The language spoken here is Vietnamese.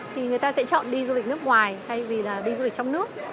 thì người ta sẽ chọn đi du lịch nước ngoài thay vì là đi du lịch trong nước